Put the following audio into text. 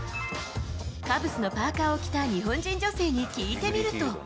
カブスのパーカーを着た日本人女性に聞いてみると。